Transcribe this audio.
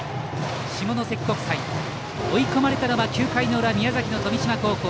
下関国際追い込まれての９回の裏富島高校。